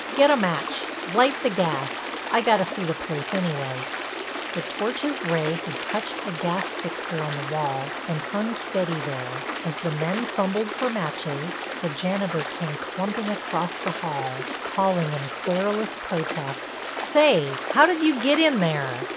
Get a match, light the gas—I got to see the place anyway." The torch's ray had touched a gas fixture on the wall and hung steady there. As the men fumbled for matches, the janitor came clumping across the hall, calling in querulous protest: "Say—how'd you get in there?